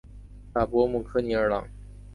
拉博姆科尔尼朗。